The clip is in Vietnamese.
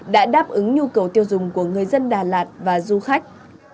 đã đáp ứng nhu cầu tiêu dùng của người dân đà lạt và du khách